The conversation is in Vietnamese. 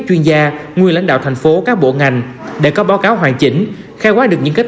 chuyên gia nguyên lãnh đạo thành phố các bộ ngành để có báo cáo hoàn chỉnh khai quá được những kết